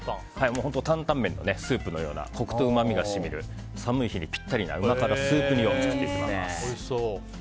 担々麺のスープのようなコクとうまみが染みる寒い日にピッタリなうま辛スープ煮を作っていきます。